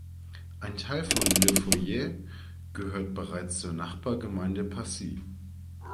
Ein Teil von Le Fayet gehört bereits zur Nachbargemeinde Passy.